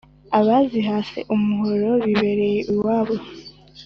abazihase umuhoro bibereye iwabo